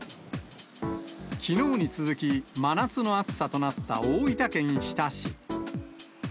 きのうに続き、真夏の暑さとなった大分県日田市。